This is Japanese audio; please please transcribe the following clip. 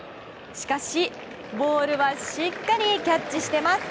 しかし、ボールはしっかりキャッチしてます。